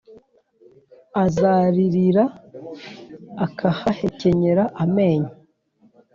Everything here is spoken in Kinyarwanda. Azaririra akahahekenyera amenyo